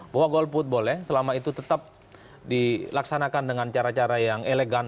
bahwa golput boleh selama itu tetap dilaksanakan dengan cara cara yang elegan